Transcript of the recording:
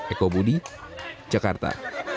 eko budi jakarta